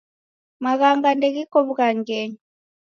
Maghanga ndeghiko w'ughangenyi.